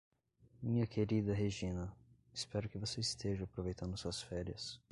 Minha querida Regina, espero que você esteja aproveitando suas férias.